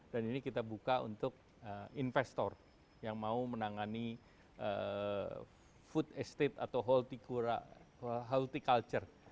dan ini kita buka untuk investor yang mau menangani food estate atau horticulture